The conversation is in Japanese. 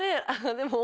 でも。